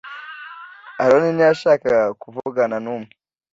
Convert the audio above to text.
Aroni ntiyashakaga kuvugana n'umwe.